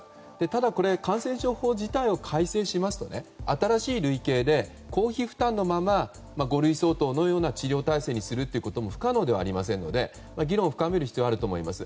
ただ、感染症法自体を改正しますと新しい類型で公費負担のまま五類相当のような治療体制にすることも不可能ではありませんので議論を深める必要があると思います。